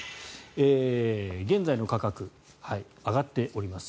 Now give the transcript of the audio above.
現在の価格上がっております。